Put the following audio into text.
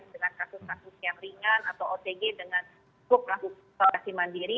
dengan kasus kasus yang ringan atau otg dengan cukup melakukan isolasi mandiri